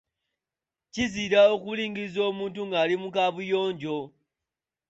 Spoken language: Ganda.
Kizira okulingiza omuntu ng'ali mu kaabuyojo.